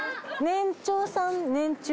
年中さん？